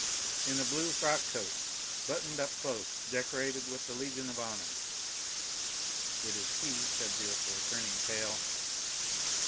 "In a blue frock coat, buttoned up close, decorated with the Legion of Honor." "It is he!" said Villefort, turning pale.